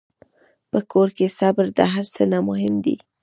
په کور کې صبر د هر څه نه مهم دی.